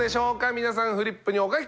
皆さんフリップにお書き下さい。